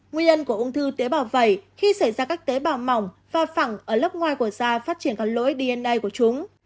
nguyên nhân của ung thư tế bảo vẩy khi xảy ra các tế bảo mỏng và phẳng ở lớp ngoài của da phát triển các lỗi dna của chúng